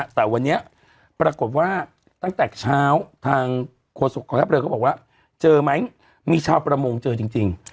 แต่วันนี้ปรากฏว่าตั้งแต่เช้าทางโฆษกองทัพเรือเขาบอกว่าเจอไหมมีชาวประมงเจอจริง